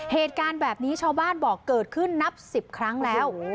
เหตุการณ์แบบนี้ชาวบ้านบอกเกิดขึ้นนับ๑๐ครั้งแล้ว